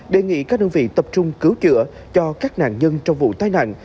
đề nghị các đơn vị tập trung cứu chữa cho các nạn nhân trong vụ tai nạn